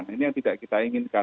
ini yang tidak kita inginkan